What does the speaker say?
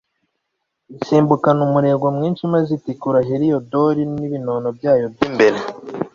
isimbukana umurego mwinshi maze itikura heliyodori n'ibinono byayo by'imbere